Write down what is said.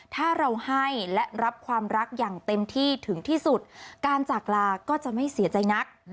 ถ้าเราให้และรับความรักอย่างเต็มที่ถึงที่สุดการจากลาก็จะไม่เสียใจนัก